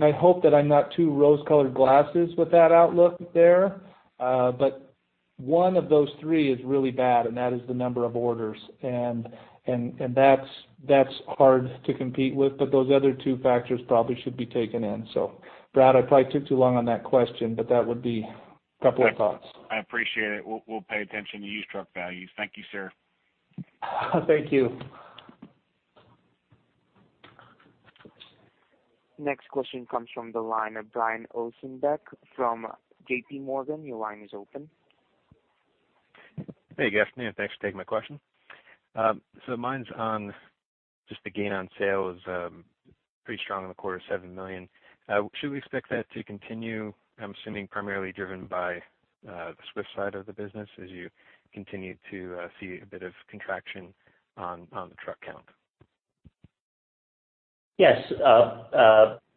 [SPEAKER 3] I hope that I'm not too rose-colored glasses with that outlook there, but one of those three is really bad, and that is the number of orders, and that's hard to compete with, but those other two factors probably should be taken in. So Brad, I probably took too long on that question, but that would be a couple of thoughts.
[SPEAKER 10] I appreciate it. We'll pay attention to used truck values. Thank you, sir.
[SPEAKER 3] Thank you.
[SPEAKER 1] Next question comes from the line of Brian Ossenbeck from JPMorgan. Your line is open.
[SPEAKER 11] Hey, good afternoon, and thanks for taking my question. Mine's on just the gain on sales, pretty strong in the quarter, $7 million. Should we expect that to continue, I'm assuming, primarily driven by the Swift side of the business as you continue to see a bit of contraction on the truck count?
[SPEAKER 4] Yes,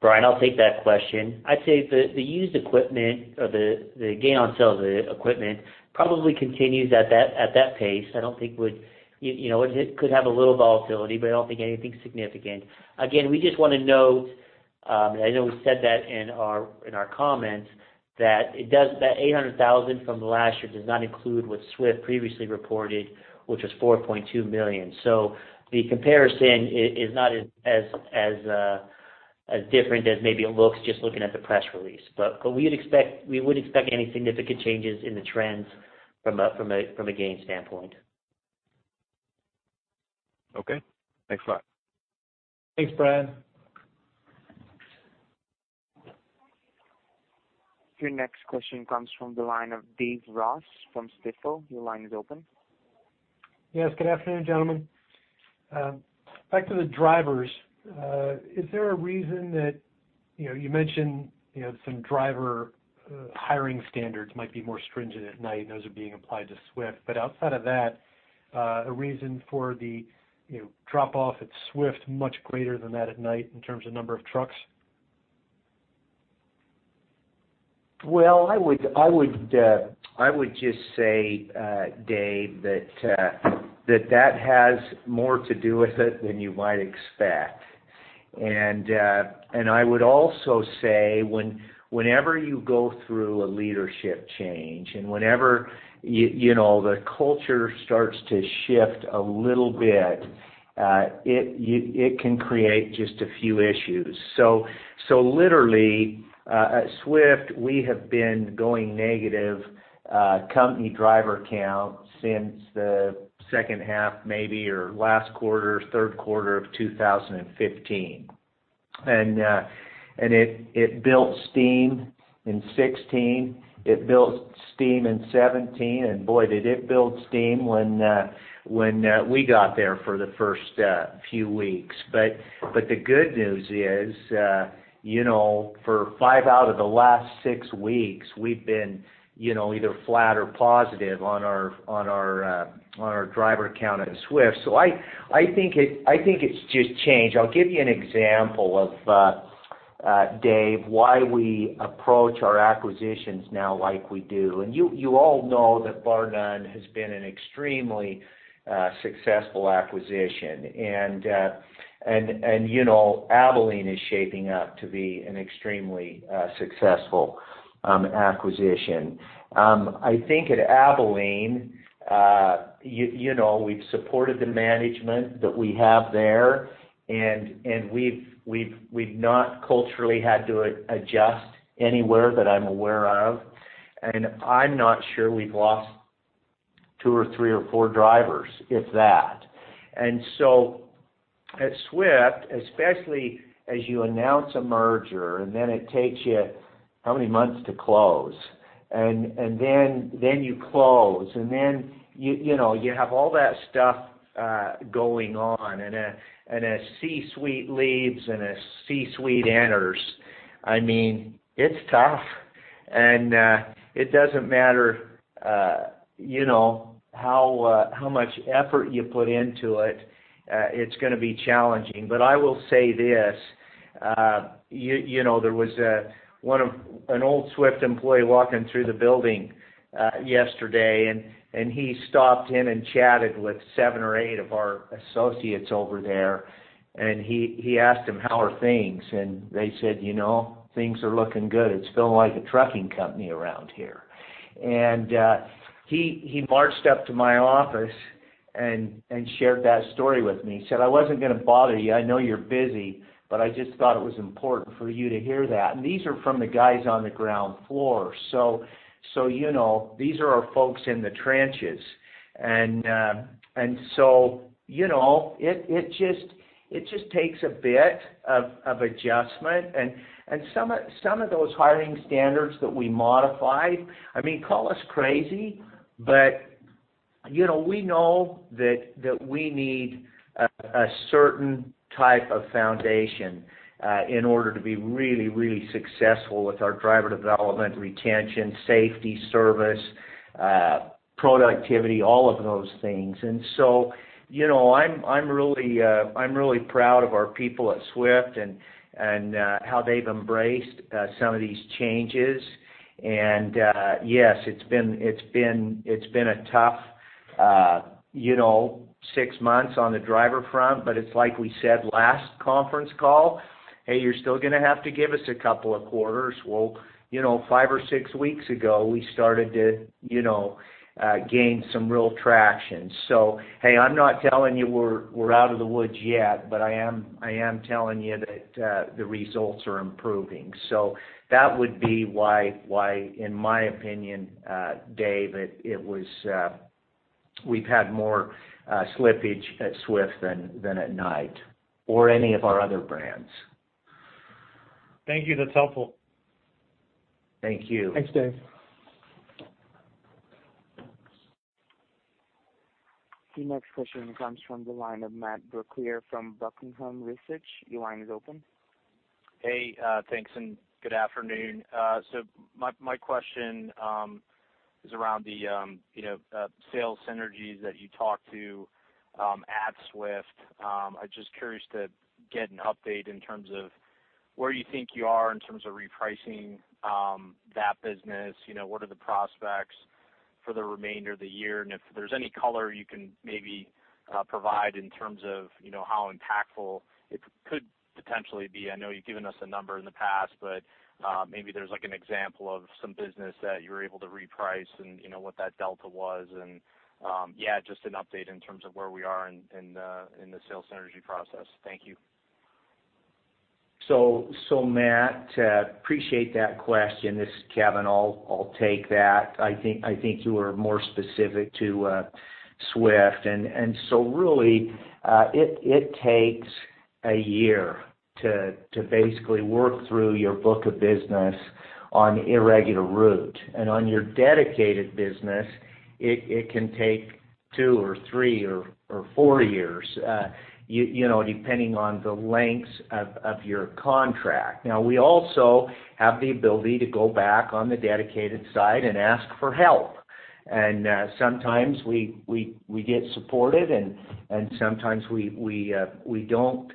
[SPEAKER 4] Brian, I'll take that question. I'd say the used equipment or the gain on sale of the equipment probably continues at that pace. I don't think would, you know, it could have a little volatility, but I don't think anything significant. Again, we just want to note, and I know we said that in our comments, that it does, that $800,000 from last year does not include what Swift previously reported, which was $4.2 million. So the comparison is not as different as maybe it looks, just looking at the press release. But, we'd expect, we wouldn't expect any significant changes in the trends from a gain standpoint.
[SPEAKER 11] Okay. Thanks a lot.
[SPEAKER 3] Thanks, Brian.
[SPEAKER 1] Your next question comes from the line of Dave Ross from Stifel. Your line is open.
[SPEAKER 12] Yes, good afternoon, gentlemen. Back to the drivers, is there a reason that, you know, you mentioned, you know, some driver hiring standards might be more stringent at Knight, and those are being applied to Swift. But outside of that, a reason for the, you know, drop-off at Swift, much greater than that at Knight in terms of number of trucks?
[SPEAKER 4] Well, I would, I would, I would just say, Dave, that, that that has more to do with it than you might expect. And, and I would also say, whenever you go through a leadership change, and whenever you know, the culture starts to shift a little bit, it can create just a few issues. So, literally, at Swift, we have been going negative, company driver count since the second half, maybe, or last quarter, third quarter of 2015. And, and it, it built steam in 2016, it built steam in 2017, and boy, did it build steam when, when, we got there for the first, few weeks. But the good news is, you know, for five out of the last six weeks, we've been, you know, either flat or positive on our driver count at Swift. So I think it's just change. I'll give you an example of, Dave, why we approach our acquisitions now like we do. And you all know that Barr-Nunn has been an extremely successful acquisition, and, you know, Abilene is shaping up to be an extremely successful acquisition. I think at Abilene, you know, we've supported the management that we have there, and we've not culturally had to adjust anywhere that I'm aware of, and I'm not sure we've lost two or three or four drivers, if that. And so at Swift, especially as you announce a merger, and then it takes you how many months to close, and then you close, and then you know you have all that stuff going on, and a C-suite leaves and a C-suite enters, I mean, it's tough. It doesn't matter, you know, how much effort you put into it, it's going to be challenging. But I will say this, you know, there was an old Swift employee walking through the building yesterday, and he stopped in and chatted with seven or eight of our associates over there, and he asked them, How are things? And they said, You know, things are looking good. It's feeling like a trucking company around here. And he marched up to my office and shared that story with me. He said, I wasn't going to bother you. I know you're busy, but I just thought it was important for you to hear that. And these are from the guys on the ground floor. So you know, these are our folks in the trenches. And so you know, it just takes a bit of adjustment. And some of those hiring standards that we modified, I mean, call us crazy, but... You know, we know that we need a certain type of foundation in order to be really successful with our driver development, retention, safety, service, productivity, all of those things. And so, you know, I'm, I'm really, I'm really proud of our people at Swift and, and, how they've embraced, some of these changes. And, yes, it's been, it's been, it's been a tough, you know, six months on the driver front, but it's like we said, last conference call, hey, you're still going to have to give us a couple of quarters. Well, you know, five or six weeks ago, we started to, you know, gain some real traction. So, hey, I'm not telling you we're, we're out of the woods yet, but I am, I am telling you that, the results are improving. So that would be why, why, in my opinion, Dave, it, it was, we've had more, slippage at Swift than, than at Knight or any of our other brands.
[SPEAKER 12] Thank you. That's helpful.
[SPEAKER 4] Thank you.
[SPEAKER 3] Thanks, Dave.
[SPEAKER 1] The next question comes from the line of Matt Brooklier from Buckingham Research. Your line is open.
[SPEAKER 13] Hey, thanks, and good afternoon. So my question is around the you know sales synergies that you talked to at Swift. I'm just curious to get an update in terms of where you think you are in terms of repricing that business. You know, what are the prospects for the remainder of the year? And if there's any color you can maybe provide in terms of you know how impactful it could potentially be. I know you've given us a number in the past, but maybe there's like an example of some business that you're able to reprice and you know what that delta was. And yeah, just an update in terms of where we are in the sales synergy process. Thank you.
[SPEAKER 4] So, Matt, appreciate that question. This is Kevin. I'll take that. I think you were more specific to Swift. And so really, it takes a year to basically work through your book of business on irregular route. And on your dedicated business, it can take two or three or four years, you know, depending on the lengths of your contract. Now, we also have the ability to go back on the dedicated side and ask for help. And sometimes we get supported, and sometimes we don't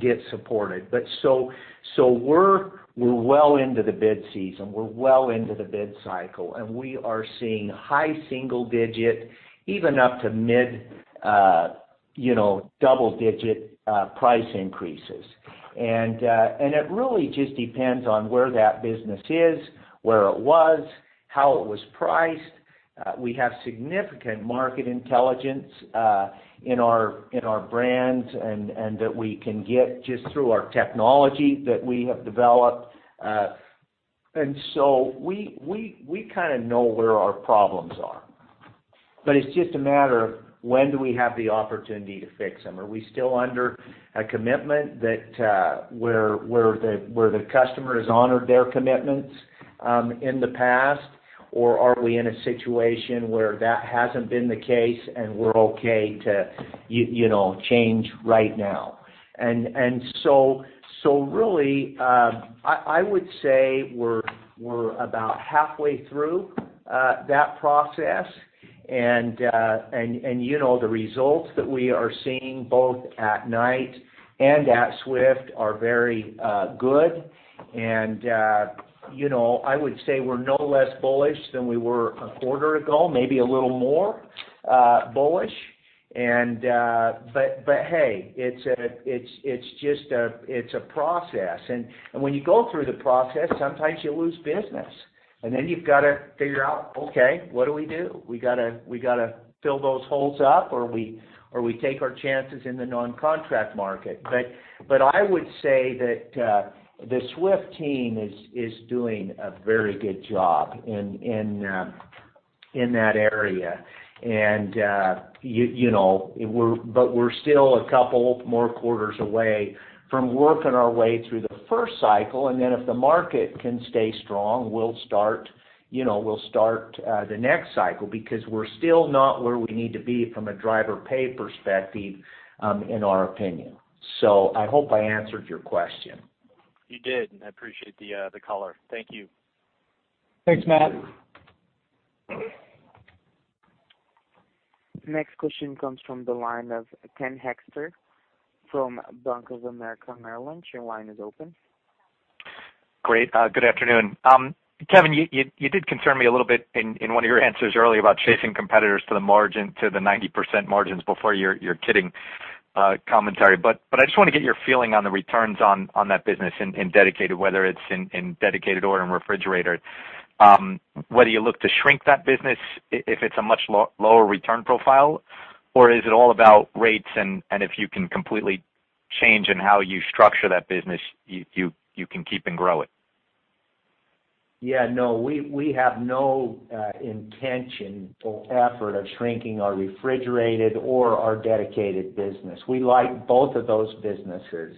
[SPEAKER 4] get supported. But so we're well into the bid season. We're well into the bid cycle, and we are seeing high single digit, even up to mid, you know, double-digit price increases. It really just depends on where that business is, where it was, how it was priced. We have significant market intelligence in our brands and that we can get just through our technology that we have developed. And so we kind of know where our problems are, but it's just a matter of when do we have the opportunity to fix them? Are we still under a commitment that where the customer has honored their commitments in the past, or are we in a situation where that hasn't been the case and we're okay to, you know, change right now? And so really, I would say we're about halfway through that process. And, you know, the results that we are seeing both at Knight and at Swift are very good. And, you know, I would say we're no less bullish than we were a quarter ago, maybe a little more bullish. And, but, hey, it's just a process. And when you go through the process, sometimes you lose business, and then you've got to figure out, okay, what do we do? We gotta fill those holes up, or we take our chances in the non-contract market. But I would say that the Swift team is doing a very good job in that area. You know, we're, but we're still a couple more quarters away from working our way through the first cycle, and then if the market can stay strong, we'll start, you know, we'll start the next cycle because we're still not where we need to be from a driver pay perspective, in our opinion. So I hope I answered your question.
[SPEAKER 13] You did, and I appreciate the color. Thank you.
[SPEAKER 3] Thanks, Matt.
[SPEAKER 1] Next question comes from the line of Ken Hoexter from Bank of America Merrill Lynch. Your line is open.
[SPEAKER 14] Great. Good afternoon. Kevin, you did concern me a little bit in one of your answers earlier about chasing competitors to the margin, to the 90% margins before your kidding commentary. But I just want to get your feeling on the returns on that business in Dedicated, whether it's in Dedicated or in Refrigerated. Whether you look to shrink that business if it's a much lower return profile, or is it all about rates, and if you can completely change in how you structure that business, you can keep and grow it? ...
[SPEAKER 4] Yeah, no, we, we have no intention or effort of shrinking our refrigerated or our dedicated business. We like both of those businesses.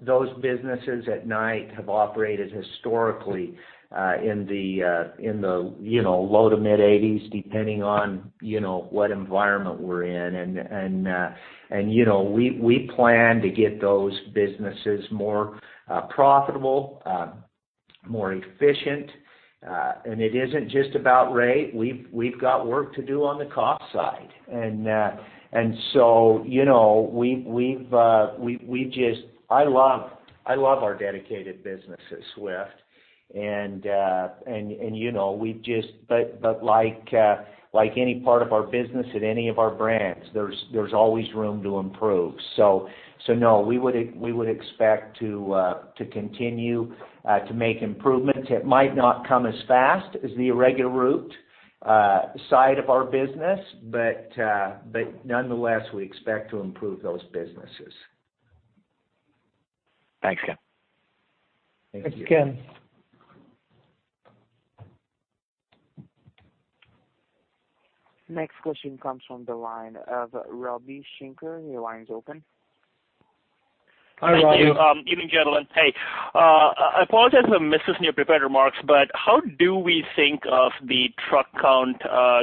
[SPEAKER 4] Those businesses at Knight have operated historically, in the, in the, you know, low to mid-80s, depending on, you know, what environment we're in. And, and, and, you know, we, we plan to get those businesses more, profitable, more efficient. And it isn't just about rate. We've, we've got work to do on the cost side. And, and so, you know, we've, we've, we, we just-- I love, I love our dedicated business at Swift. And, and, and, you know, we just... But, but like, like any part of our business at any of our brands, there's, there's always room to improve. No, we would expect to continue to make improvements. It might not come as fast as the irregular route side of our business, but nonetheless, we expect to improve those businesses.
[SPEAKER 3] Thanks, Ken.
[SPEAKER 14] Thank you.
[SPEAKER 4] Thanks, Ken.
[SPEAKER 1] Next question comes from the line of Ravi Shanker. Your line is open.
[SPEAKER 3] Hi, Ravi.
[SPEAKER 15] Thank you. Evening, gentlemen. Hey, I apologize if I missed this in your prepared remarks, but how do we think of the truck count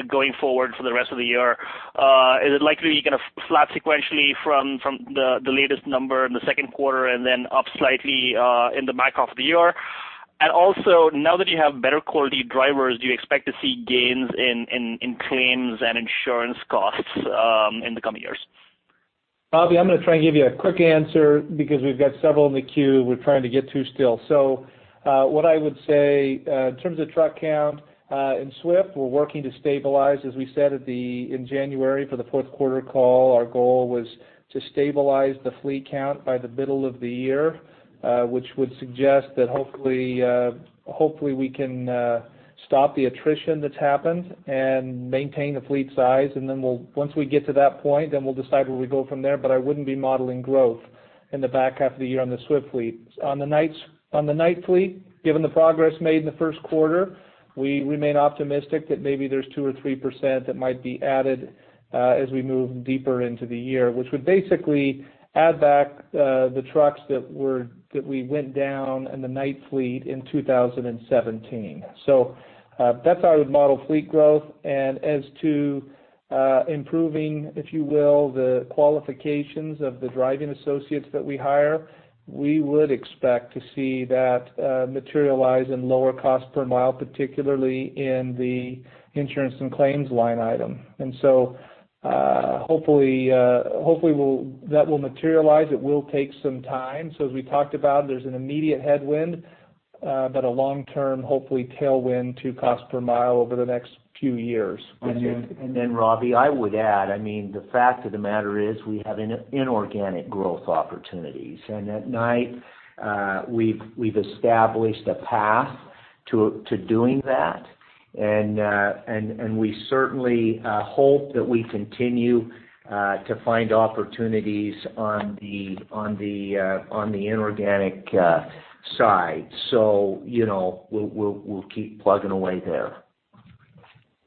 [SPEAKER 15] going forward for the rest of the year? Is it likely going to flat sequentially from the latest number in the second quarter and then up slightly in the back half of the year? And also, now that you have better quality drivers, do you expect to see gains in claims and insurance costs in the coming years?
[SPEAKER 3] Ravi, I'm going to try and give you a quick answer because we've got several in the queue we're trying to get to still. So, what I would say, in terms of truck count, in Swift, we're working to stabilize. As we said, in January for the fourth quarter call, our goal was to stabilize the fleet count by the middle of the year, which would suggest that hopefully, hopefully, we can stop the attrition that's happened and maintain the fleet size, and then we'll. Once we get to that point, then we'll decide where we go from there, but I wouldn't be modeling growth in the back half of the year on the Swift fleet. On the Knight fleet, given the progress made in the first quarter, we remain optimistic that maybe there's 2% or 3% that might be added as we move deeper into the year, which would basically add back the trucks that we went down in the Knight fleet in 2017. So that's how I would model fleet growth. And as to improving, if you will, the qualifications of the driving associates that we hire, we would expect to see that materialize in lower cost per mile, particularly in the insurance and claims line item. And so, hopefully, that will materialize. It will take some time. So as we talked about, there's an immediate headwind, but a long-term, hopefully, tailwind to cost per mile over the next few years.
[SPEAKER 2] And then, Ravi, I would add, I mean, the fact of the matter is we have inorganic growth opportunities. And at Knight, we've established a path to doing that, and we certainly hope that we continue to find opportunities on the inorganic side. So, you know, we'll keep plugging away there.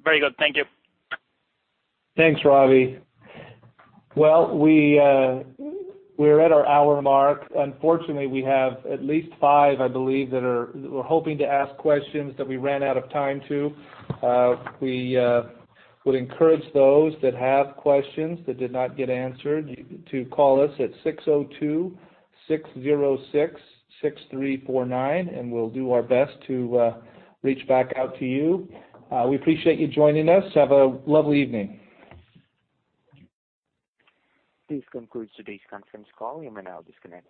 [SPEAKER 15] Very good. Thank you.
[SPEAKER 3] Thanks, Ravi. Well, we're at our hour mark. Unfortunately, we have at least five, I believe, that were hoping to ask questions that we ran out of time to. We would encourage those that have questions that did not get answered, you, to call us at 602-606-6349, and we'll do our best to reach back out to you. We appreciate you joining us. Have a lovely evening.
[SPEAKER 1] This concludes today's conference call. You may now disconnect.